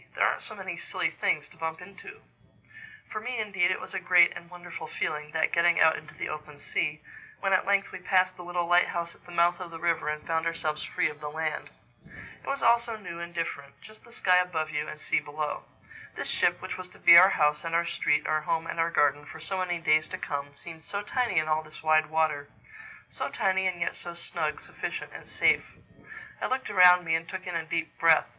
There aren't so many silly things to bump into." For me indeed it was a great and wonderful feeling, that getting out into the open sea, when at length we passed the little lighthouse at the mouth of the river and found ourselves free of the land. It was all so new and different: just the sky above you and sea below. This ship, which was to be our house and our street, our home and our garden, for so many days to come, seemed so tiny in all this wide water—so tiny and yet so snug, sufficient, safe. I looked around me and took in a deep breath.